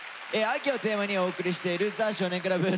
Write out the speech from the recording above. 「秋」をテーマにお送りしている「ザ少年倶楽部」。